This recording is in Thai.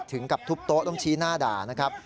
ถึงกับทุบโต๊ะต้องชี้หน้าด่านะครับ